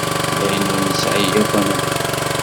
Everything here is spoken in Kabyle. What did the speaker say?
D ayen ur nesɛi yakk anamek.